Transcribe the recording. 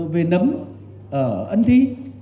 về nấm ở ân thi